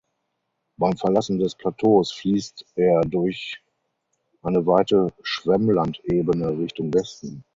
Beim Verlassen des Plateaus fließt er durch eine weite Schwemmlandebene Richtung Westen.